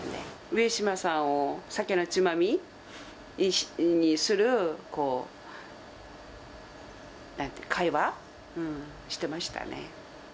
上島さんを酒のつまみにする会話してましたね。